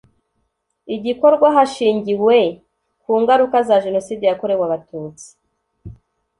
igakorwa hashingiwe ku ngaruka za jenoside yakorewe abatutsi